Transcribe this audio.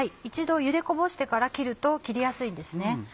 一度茹でこぼしてから切ると切りやすいんですね。